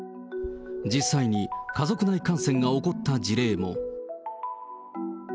実際に家族内感染が起こった事例も。